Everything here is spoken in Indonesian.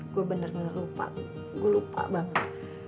gue bener bener lupa gue lupa banget